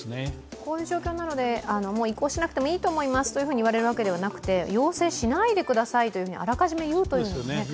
こういう状況なので、もう移行しなくてもいいと思いますと言われるわけではなくて、要請しないでくださいとあらかじめ言うというのはね。